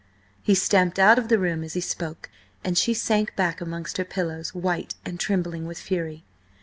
He stamped out of the room as he spoke, and she sank back amongst her pillows, white and trembling with fury.